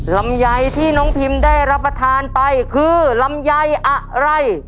ลำไยที่น้องพิมได้รับประทานไปคือลำไยอะไร